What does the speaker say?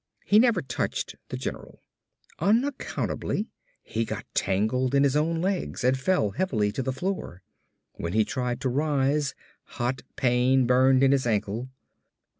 He never touched the general. Unaccountably he got tangled in his own legs and fell heavily to the floor. When he tried to rise hot pain burned in his ankle.